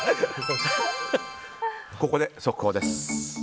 ここで速報です。